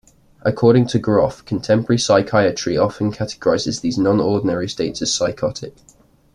According to Grof, contemporary psychiatry often categorizes these non-ordinary states as psychotic.